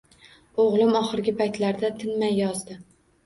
Oʻgʻlim oxirgi paytlarda tinmay yozdi.